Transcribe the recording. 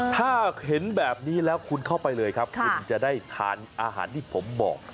ถ้าเห็นแบบนี้แล้วคุณเข้าไปเลยครับคุณจะได้ทานอาหารที่ผมบอก